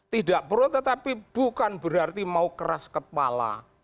tidak pro tetapi bukan berarti mau keras kepala